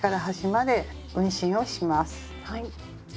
はい。